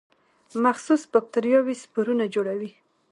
مخصوص باکتریاوې سپورونه جوړوي.